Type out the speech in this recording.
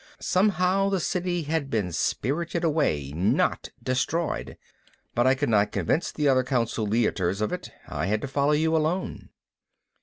Somehow the City had been spirited away, not destroyed. But I could not convince the other Council Leiters of it. I had to follow you alone."